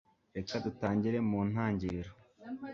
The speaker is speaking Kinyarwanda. reka dutangire mu ntangiriro